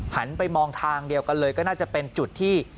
หันไปมองทางเดียวกันเลยก็น่าจะเป็นจุดที่